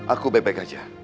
aku baik baik aja